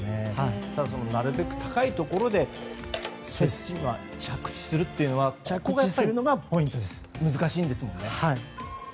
なるべく高いところで着地するということが難しいんですものね。